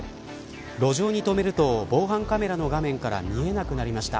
路上に止めると防犯カメラの画面から見えなくなりました。